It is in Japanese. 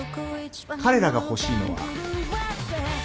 彼らが欲しいのは。